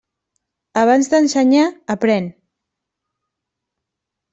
Abans d'ensenyar, aprén.